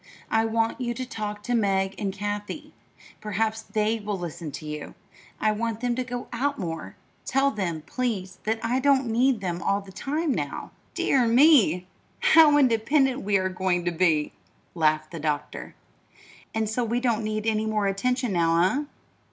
"I want you to talk to Meg and Kathie. Perhaps they will listen to you. I want them to go out more. Tell them, please, that I don't need them all the time now." "Dear me, how independent we are going to be!" laughed the doctor. "And so we don't need any more attention now, eh?"